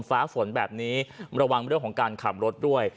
ฟ้าฝนแบบนี้ระวังเรื่องของการขับรถด้วย